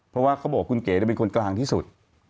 เพราะว่าเขาบอกว่าคุณเก๋เป็นคนกลางที่สุด